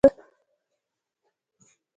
چې د شریعت خلاف کارونه یې په هېواد کې دودول.